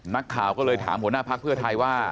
นักข่าวก็เลยถามหัวหน้าพักเพื่อไทยว่า